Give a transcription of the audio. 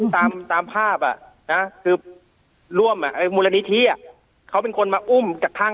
ตามตามภาพอ่ะนะคือร่วมมูลนิธิอ่ะเขาเป็นคนมาอุ้มจากข้าง